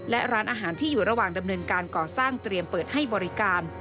และร้านอาหารที่อยู่ระหว่างดำเนินการก่อสร้างเตรียมเปิดให้บริการ